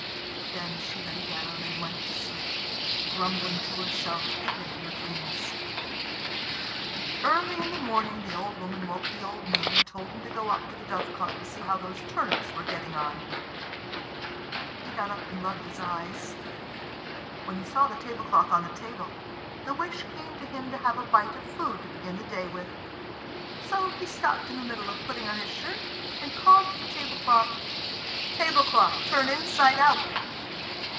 Then she lay down and went to sleep, grumbling to herself even in her dreams. Early in the morning the old woman woke the old man and told him to go up to the dovecot and see how those turnips were getting on. He got up and rubbed his eyes. When he saw the tablecloth on the table, the wish came to him to have a bite of food to begin the day with. So he stopped in the middle of putting on his shirt, and called to the tablecloth, "Tablecloth, turn inside out!"